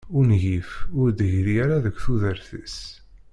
Ungif ur d-gri ara deg tudert-is.